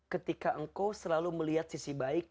ketika engkau selalu melihat sisi baik